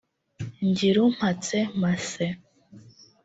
Ngirumpatse Mathieu